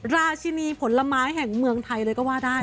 ราชินีผลไม้แห่งเมืองไทยเลยก็ว่าได้